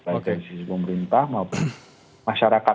baik dari sisi pemerintah maupun masyarakat